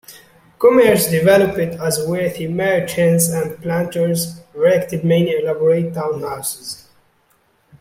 Commerce developed as wealthy merchants and planters erected many elaborate town houses.